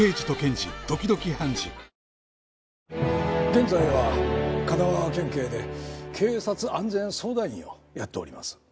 現在は神奈川県警で警察安全相談員をやっております。